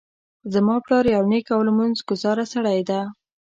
زما پلار یو نیک او لمونځ ګذاره سړی ده